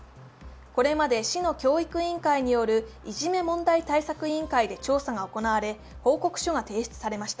これまで市の教育委員会によるいじめ問題対策委員会で調査が行われ報告書が提出されました。